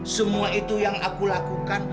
semua itu yang aku lakukan